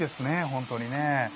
本当にね。